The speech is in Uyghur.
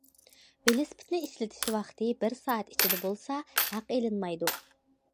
ۋېلىسىپىتنى ئىشلىتىش ۋاقتى بىر سائەت ئىچىدە بولسا ھەق ئېلىنمايدۇ.